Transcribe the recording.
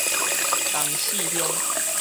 東勢鄉